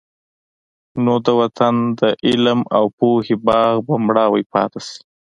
نو د وطن د علم او پوهې باغ به مړاوی پاتې شي.